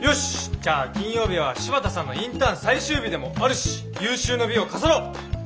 じゃあ金曜日は柴田さんのインターン最終日でもあるし有終の美を飾ろう！